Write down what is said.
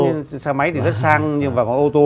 tất nhiên xe máy thì rất sang nhưng mà ô tô